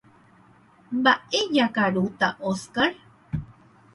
Mba'e jakarúta Óscar.